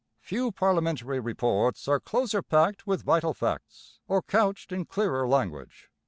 Few parliamentary reports are closer packed with vital facts or couched in clearer language.